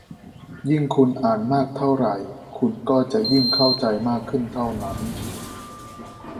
ยิ่งคุณอ่านมากเท่าไหร่คุณก็จะยิ่งเข้าใจมากขึ้นเท่านั้น